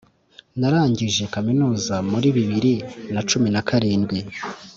Narangije kaminuza muri bibiri na cumi nakarindwi